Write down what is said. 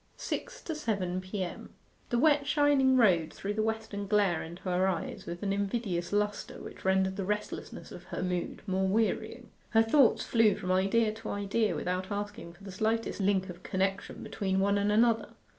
SIX TO SEVEN P.M. The wet shining road threw the western glare into her eyes with an invidious lustre which rendered the restlessness of her mood more wearying. Her thoughts flew from idea to idea without asking for the slightest link of connection between one and another.